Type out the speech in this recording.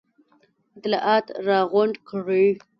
اطلاعات را غونډ کړي.